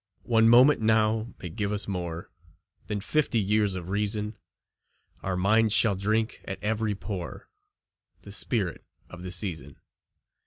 One moment now may give us more Than fifty years of reason; Our minds shall drink at every pore The spirit of the season.